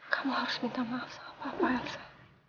kamu harus minta maaf sama papa elsa